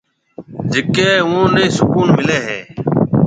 جڪي اوئون نيَ سُڪون مليَ هيَ